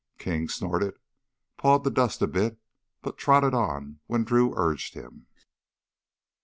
King snorted, pawed the dust a bit, but trotted on when Drew urged him.